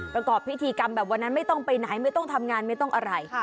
ประกอบพิธีกรรมแบบวันนั้นไม่ต้องไปไหนไม่ต้องทำงานไม่ต้องอะไร